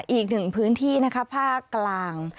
อีก๑พื้นที่ภาคกลาง